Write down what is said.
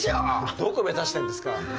どこ目指してんですか。